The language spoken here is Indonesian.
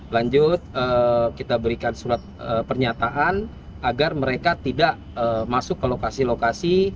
lanjut kita berikan surat pernyataan agar mereka tidak masuk ke lokasi lokasi